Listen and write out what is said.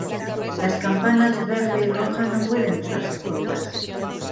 Las campanas verde y roja no pueden usarse juntas.